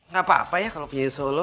gak apa apa ya kalau punya insya allah